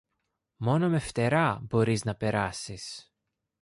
Μόνο με φτερά μπορείς να περάσεις.